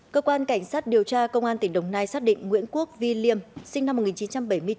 cơ quan cảnh sát điều tra công an tỉnh đồng nai xác định nguyễn quốc vi liêm sinh năm một nghìn chín trăm bảy mươi chín